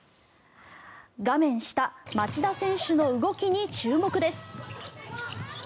画面下、町田選手の動きに注目です。